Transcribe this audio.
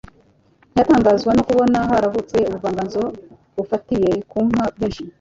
ntiyatangazwa no kubona haravutse ubuvanganzo bufatiye ku nka bwinshi.